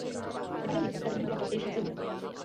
Divadelní představení byla častější v zimě.